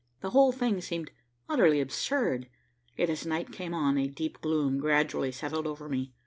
The whole thing seemed utterly absurd, yet as night came on, a deep gloom gradually settled over me.